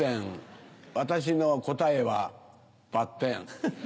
私の答えはバッテン。